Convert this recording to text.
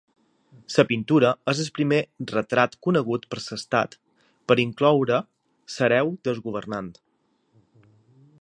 La pintura és el primer retrat conegut per l'estat per incloure l'hereu del governant.